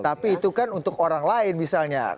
tapi itu kan untuk orang lain misalnya